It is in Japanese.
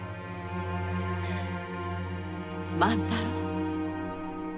万太郎。